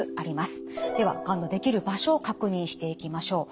ではがんのできる場所を確認していきましょう。